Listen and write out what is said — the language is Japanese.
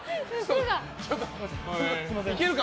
いけるか？